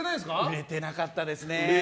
売れてなかったですね。